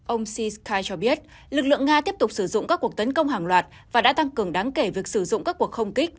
ông si sky cho biết lực lượng nga tiếp tục sử dụng các cuộc tấn công hàng loạt và đã tăng cường đáng kể việc sử dụng các cuộc không kích